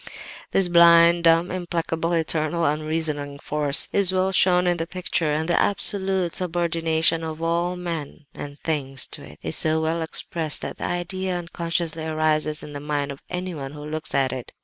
"This blind, dumb, implacable, eternal, unreasoning force is well shown in the picture, and the absolute subordination of all men and things to it is so well expressed that the idea unconsciously arises in the mind of anyone who looks at it.